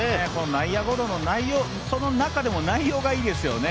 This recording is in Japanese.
内野ゴロの内容、その中でも内容がいいですよね。